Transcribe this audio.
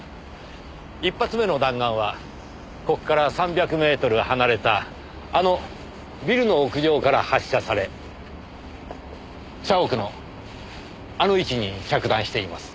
１発目の弾丸はここから３００メートル離れたあのビルの屋上から発射され社屋のあの位置に着弾しています。